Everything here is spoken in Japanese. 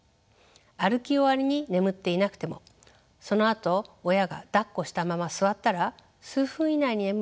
歩き終わりに眠っていなくてもそのあと親がだっこしたまま座ったら数分以内に眠った赤ちゃんもいました。